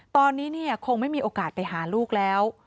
ตอนนี้คงไม่มีโอกาสไปหาลูกแล้ว